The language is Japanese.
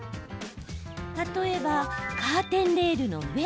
例えばカーテンレールの上。